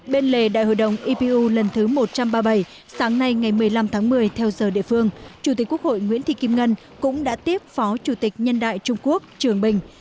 bên lề đại hội đồng ipu lần thứ một trăm ba mươi bảy sáng nay ngày một mươi năm tháng một mươi theo giờ địa phương chủ tịch quốc hội nguyễn thị kim ngân cũng đã tiếp phó chủ tịch nhân đại trung quốc trường bình